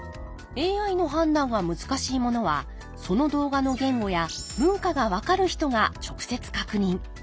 ＡＩの判断が難しいものはその動画の言語や文化が分かる人が直接確認。